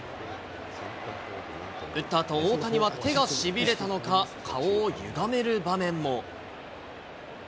打ったあと、大谷は手がしびれたのか、顔をゆがめる場面も。